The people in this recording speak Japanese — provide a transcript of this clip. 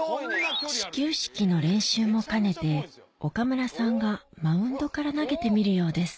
始球式の練習も兼ねて岡村さんがマウンドから投げてみるようです